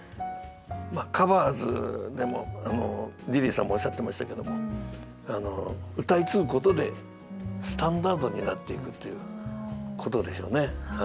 まあ「ｔｈｅＣｏｖｅｒｓ」でもリリーさんもおっしゃってましたけども歌い継ぐことでスタンダードになっていくっていうことでしょうね。